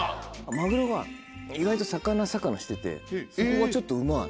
マグロが意外と魚魚しててそこがちょっとうまい。